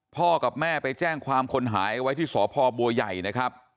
พ่อกับแม่ไปแจ้งความคนหายไว้ที่สพบัวใหญ่นะครับ